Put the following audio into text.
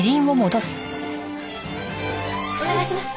お願いします。